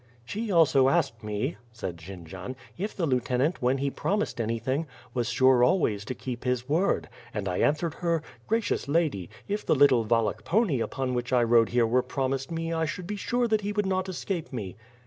"She also asked me," said Jendzian, "if the lieutenant when he promised anything, was sure always to keep his 86 W/TH FIRE AND SWORD, word; and I answered her, 'Gracious Lady, if the little Wal lach pony upon which I rode here were promised me I should be sure that he would not escape me.